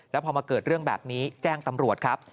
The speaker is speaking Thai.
แล้วพอมาเกิดเรื่องแบบนี้แจ้งตำรวจครับ